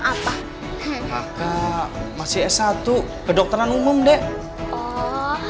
apa maka masih satu kedokteran umum deh oh